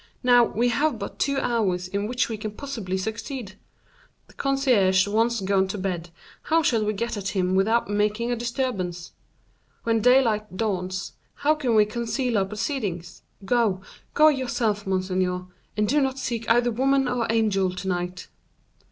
Now, we have but two hours in which we can possibly succeed; the concierge once gone to bed, how shall we get at him without making a disturbance? When daylight dawns, how can we conceal our proceedings? Go, go yourself, monseigneur, and do not seek either woman or angel to night."